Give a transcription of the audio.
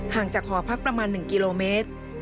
จากหอพักประมาณ๑กิโลเมตร